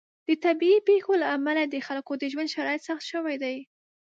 د طبیعي پیښو له امله د خلکو د ژوند شرایط سخت شوي دي.